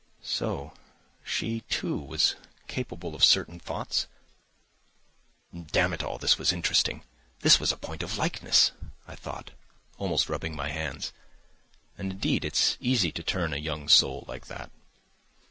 So she, too, was capable of certain thoughts? "Damn it all, this was interesting, this was a point of likeness!" I thought, almost rubbing my hands. And indeed it's easy to turn a young soul like that!